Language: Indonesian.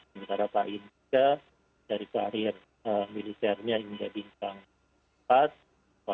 sementara pak andika dari karir militernya yang menjadi tanggung jawab